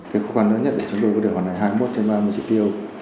cái khó khăn lớn nhất để chúng tôi có thể hoàn thành hai mươi một trên ba mươi chỉ tiêu